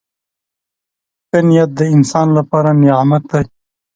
• ښه نیت د انسان لپاره نعمت دی.